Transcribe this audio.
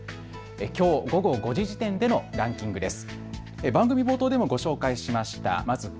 きょう午後５時時点でのランキングです。